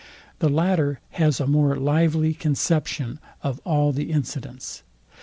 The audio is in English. The latter has a more lively conception of all the incidents.